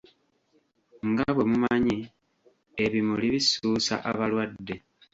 Nga bwe mumanyi, ebimuli bissuusa abalwadde.